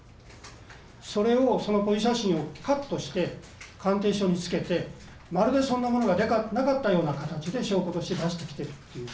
それをそのポジ写真をカットして鑑定書に付けてまるでそんなものがなかったような形で証拠として出してきてるっていう。